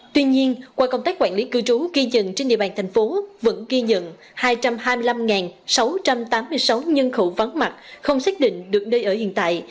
tuy nhiên qua công tác quản lý cư trú ghi dần trên địa bàn thành phố vẫn ghi nhận hai trăm hai mươi năm sáu trăm tám mươi sáu nhân khẩu vắng mặt không xác định được nơi ở hiện tại